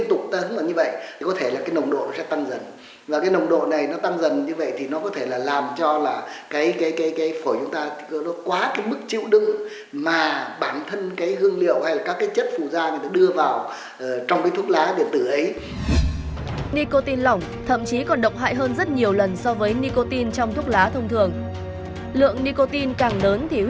tuy nhiên theo who các bằng chứng hiện tại cho thấy rằng dung dịch có trong thuốc lá điện tử khi bị đốt nóng không chỉ tạo ra hơi nước như thường được quảng cáo